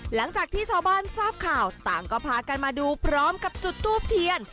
หลังจากที่ชาวบ้านทราบข่าวต่างก็พากันมาดูพร้อมกับจุดทูบเทียน